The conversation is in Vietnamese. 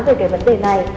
về cái vấn đề này